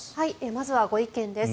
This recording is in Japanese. まずはご意見です。